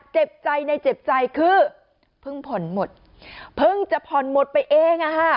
เจ็บใจในเจ็บใจคือเพิ่งผ่อนหมดเพิ่งจะผ่อนหมดไปเองอ่ะค่ะ